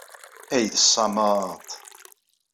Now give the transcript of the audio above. Ay d ssameṭ!